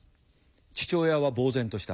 父親はぼう然とした。